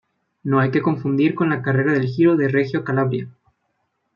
No hay que confundir con la carrera del Giro de Reggio Calabria.